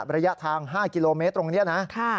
ระยะทาง๕กิโลเมตรตรงนี้นะ